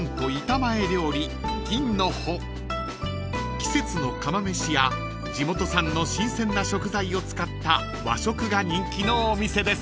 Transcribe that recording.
［季節の釜めしや地元産の新鮮な食材を使った和食が人気のお店です］